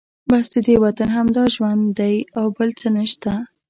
بس ددې وطن همدا ژوند دی او بل څه نشته.